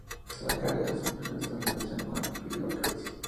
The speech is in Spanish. La cara superficial está en relación con la piel de la cabeza.